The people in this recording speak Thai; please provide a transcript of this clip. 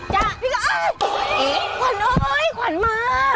จ้ะพี่กบอ้าวเฮ้ยขวัญมา